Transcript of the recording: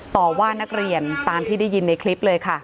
ต่อว่านักเรียนตามที่ได้ยินในคลิปเลยค่ะ